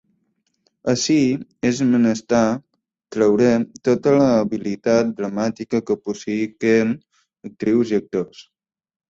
Ací és menester traure tota l'habilitat dramàtica que posseïsquen actrius i actors.